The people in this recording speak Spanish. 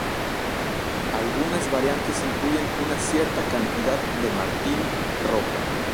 Algunas variantes incluyen una cierta cantidad de Martini rojo.